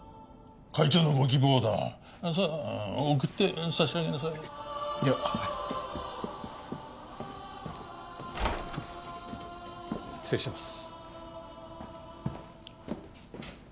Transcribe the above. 会長のご希望ださあ送って差し上げなさいでははい失礼します